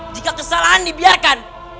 jika kesalahan dibiarkan